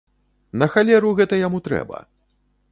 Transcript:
На халеру гэта яму трэба?